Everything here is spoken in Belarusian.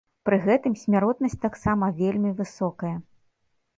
Пры гэтым, смяротнасць таксама вельмі высокая.